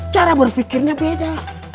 cara berfikirnya beda